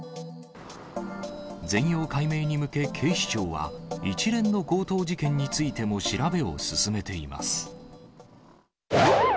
全容解明に向け、警視庁は、一連の強盗事件についても調べを進めています。